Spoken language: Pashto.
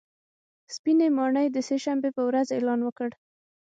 سپینې ماڼۍ د سې شنبې په ورځ اعلان وکړ